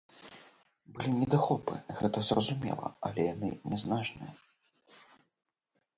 Былі недахопы, гэта зразумела, але яны нязначныя.